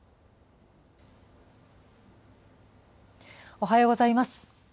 おはようございます。